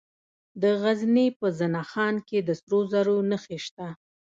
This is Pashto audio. د غزني په زنه خان کې د سرو زرو نښې شته.